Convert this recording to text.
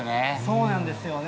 そうなんですよね。